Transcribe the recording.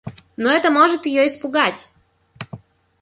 Но это может её испугать.